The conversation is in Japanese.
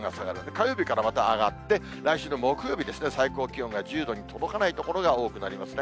火曜日からまた上がって、来週の木曜日ですね、最高気温が１０度に届かない所が多くなりますね。